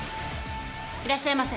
いらっしゃいませ。